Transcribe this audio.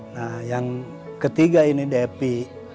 nah yang ketiga ini depi